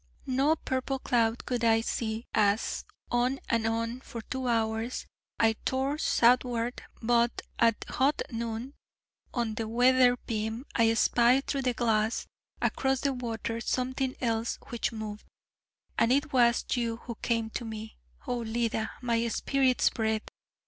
No purple cloud could I see as, on and on, for two hours, I tore southward: but at hot noon, on the weather beam I spied through the glass across the water something else which moved, and it was you who came to me, Oh Leda, my spirit's breath!